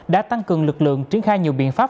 đã tăng cường lực lượng triển khai nhiều biện pháp